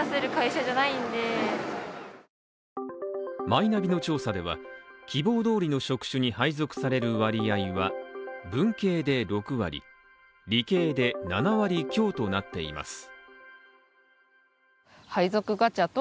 マイナビの調査では、希望どおりの職種に配属される割合は文系で６割、理系で７割強となっています。